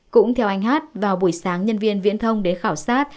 cũng theo anh hát vào buổi sáng nhân viên viễn thông đến khảo sát